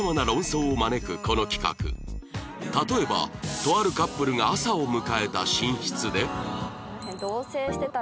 例えばとあるカップルが朝を迎えた寝室で